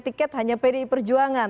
tapi yang lain kemudian hanya perjuangan